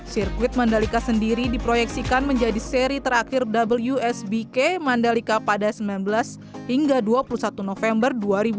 sirkuit mandalika sendiri diproyeksikan menjadi seri terakhir wsbk mandalika pada sembilan belas hingga dua puluh satu november dua ribu dua puluh